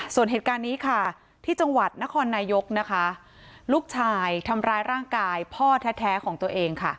ส่วนเหตุการณ์นี้ค่ะที่จังหวัดนครนายกนะคะลูกชายทำร้ายร่างกายพ่อแท้ของตัวเองค่ะ